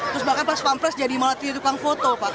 terus bahkan pas pampres jadi malah tidak tukang foto pak